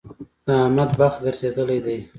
د احمد بخت ګرځېدل دی.